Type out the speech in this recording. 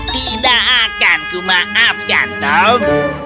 tidak akanku maafkan tom